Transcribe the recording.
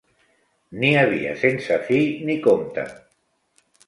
N'hi havia sense fi ni compte.